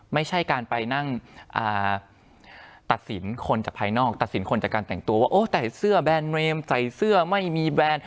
ไม่ใช่การไปนั่งตัดสินคนจากภายนอกตัดสินคนจากการแต่งตัวว่าโอ้ใส่เสื้อแบรนดเรมใส่เสื้อไม่มีแบรนด์